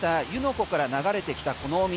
湖から流れてきたこの水。